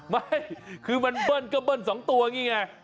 ไม่คือเบิ้ลก็เบิ้ลสองตัวนี้ไง